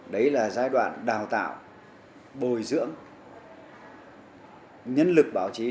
đấy là giai đoạn đào tạo bồi dưỡng nhân lực báo chí